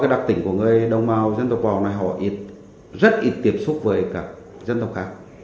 các thành viên của người đông mau dân tộc bò này họ rất ít tiếp xúc với các dân tộc khác